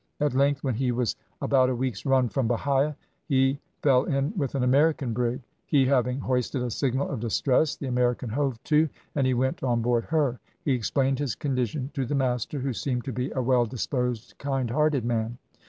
At length when he was about a week's run from Bahia, he feel in with an American brig. He having hoisted a signal of distress, the American hove to, and he went on board her. He explained his condition to the master, who seemed to be a well disposed, kind hearted man.